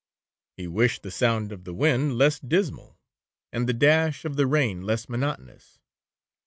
—he wished the sound of the wind less dismal, and the dash of the rain less monotonous.